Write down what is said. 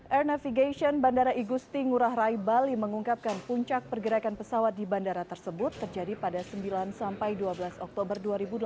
air navigation bandara igusti ngurah rai bali mengungkapkan puncak pergerakan pesawat di bandara tersebut terjadi pada sembilan sampai dua belas oktober dua ribu delapan belas